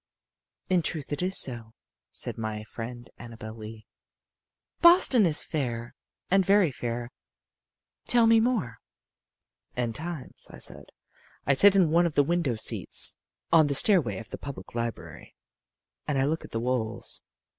"In truth it is so," said my friend Annabel Lee. "Boston is fair, and very fair. Tell me more." "And times," I said, "I sit in one of the window seats on the stairway of the Public Library. And I look at the walls.